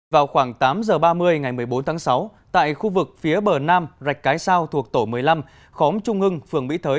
vào khoảng tám giờ ba mươi ngày một mươi bốn tháng sáu tại khu vực phía bờ nam rạch cái sao thuộc tổ một mươi năm khóm trung hưng phường mỹ thới